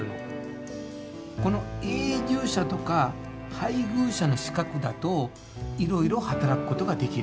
この「永住者」とか「配偶者」の資格だといろいろ働くことができる。